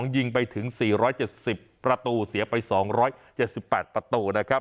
ยิงไปถึง๔๗๐ประตูเสียไป๒๗๘ประตูนะครับ